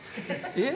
えっ？